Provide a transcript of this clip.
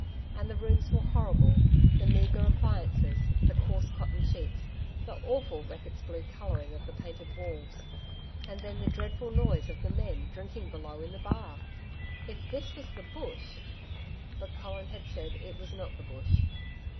And the rooms were horrible the meagre appliances the course cotton sheets, the awful Reckitt's blue colouring of the painted walls. And then the dreadful noise of the men drinking below in the bar! If this was the Bush! But Colin had said it was not the Bush.